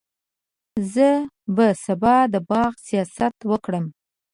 زه به سبا د باغ سیاحت وکړم.